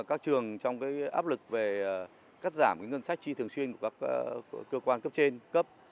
cơ quan cấp trên cấp